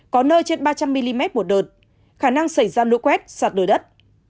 có nơi trên ba trăm linh mm một đợt khả năng xảy ra lũ quét sạt đuôi đất